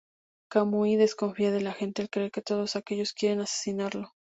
Kamui desconfía de la gente al creer que todos ellos quieren asesinarlo.